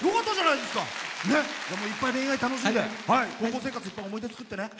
いっぱい恋愛楽しんで高校生活、いっぱい思い出作ってね。